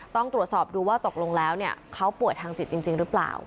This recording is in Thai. ต้องตรวจสอบดูว่าตกลงแล้วเขาป่วยทางจิตจริงหรือเปล่า